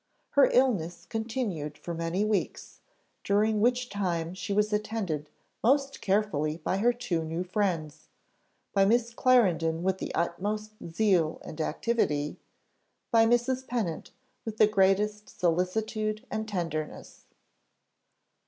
Her illness continued for many weeks, during which time she was attended most carefully by her two new friends by Miss Clarendon with the utmost zeal and activity by Mrs. Pennant with the greatest solicitude and tenderness.